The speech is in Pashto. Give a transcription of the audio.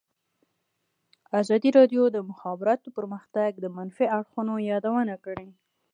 ازادي راډیو د د مخابراتو پرمختګ د منفي اړخونو یادونه کړې.